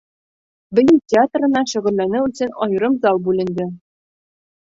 Бейеү театрына шөғөлләнеү өсөн айырым зал бүленде.